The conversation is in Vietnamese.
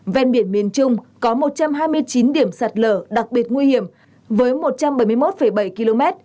ven biển miền trung có một trăm hai mươi chín điểm sạt lở đặc biệt nguy hiểm với một trăm bảy mươi một bảy km